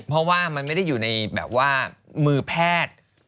เพราะว่ามันไม่ได้อยู่ในแบบว่ามือแพทย์